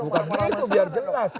bukan bukan masih biar jelas